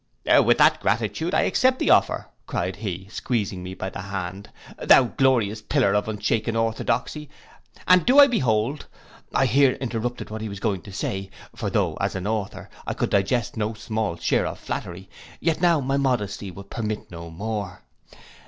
'—'Then with gratitude I accept the offer,' cried he, squeezing me by the hand, 'thou glorious pillar of unshaken orthodoxy; and do I behold—' I here interrupted what he was going to say; for tho', as an author, I could digest no small share of flattery, yet now my modesty would permit no more.